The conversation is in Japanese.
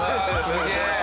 すげえ！